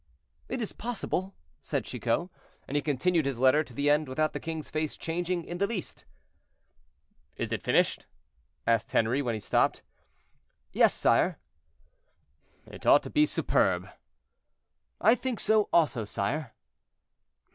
"It is possible," said Chicot; and he continued his letter to the end without the king's face changing in the least. "Is it finished?" asked Henri, when he stopped. "Yes, sire." "It ought to be superb." "I think so, also, sire."